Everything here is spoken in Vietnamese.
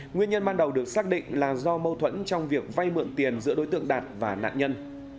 nguyên nhân ban đầu được xác định là do mâu thuẫn trong việc vay mượn tiền giữa đối tượng đạt và nạn nhân